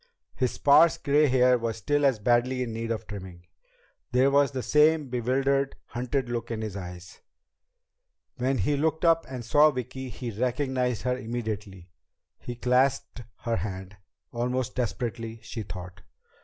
His sparse gray hair was still as badly in need of trimming. There was the same bewildered, hunted look in his eyes. When he looked up and saw Vicki, he recognized her immediately. He clasped her hand, almost desperately, she thought.